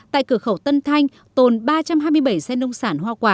tại cửa khẩu tân thanh tồn ba trăm hai mươi bảy xe nông sản hoa quả